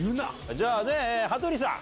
じゃあ羽鳥さん。